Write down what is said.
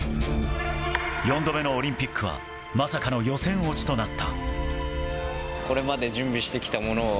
４度目のオリンピックはまさかの予選落ちとなった。